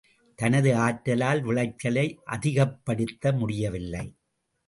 தனது ஆற்றலால் விளைச்சலை அதிகப்படுத்த முடியவில்லை.